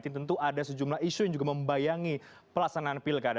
tentu ada sejumlah isu yang juga membayangi pelaksanaan pilkada